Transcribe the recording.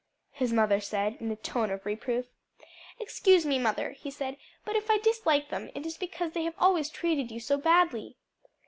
his mother said in a tone of reproof. "Excuse me, mother," he said; "but if I dislike them, it is because they have always treated you so badly."